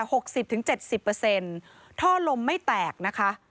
หกสิบถึงเจ็ดสิบเปอร์เซ็นต์ท่อลมไม่แตกนะคะ